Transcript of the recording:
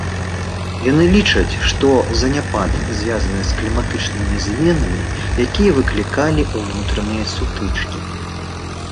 Яны лічаць, што заняпад звязаны з кліматычнымі зменамі, якія выклікалі ўнутраныя сутычкі.